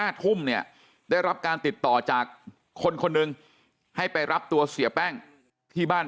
ทุ่มเนี่ยได้รับการติดต่อจากคนคนหนึ่งให้ไปรับตัวเสียแป้งที่บ้าน